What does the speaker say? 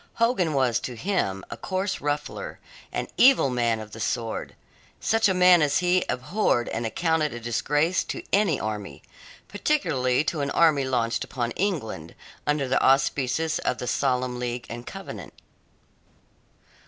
Hogan was to him a coarse ruffler; an evil man of the sword; such a man as he abhorred and accounted a disgrace to any army particularly to an army launched upon England under the auspices of the Solemn League and Covenant.